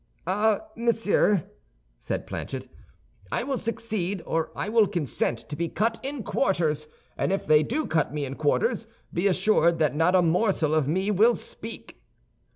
"Ah, monsieur," said Planchet, "I will succeed or I will consent to be cut in quarters; and if they do cut me in quarters, be assured that not a morsel of me will speak."